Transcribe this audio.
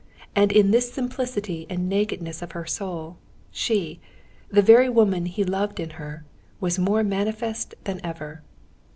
And in this simplicity and nakedness of her soul, she, the very woman he loved in her, was more manifest than ever.